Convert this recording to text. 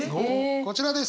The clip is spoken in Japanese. こちらです。